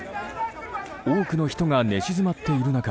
多くの人が寝静まっている中